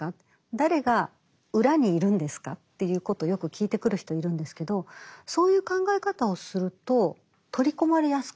誰が裏にいるんですか？ということをよく聞いてくる人いるんですけどそういう考え方をすると取り込まれやすくなるんです。